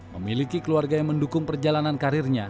memiliki keluarga yang mendukung perjalanan karirnya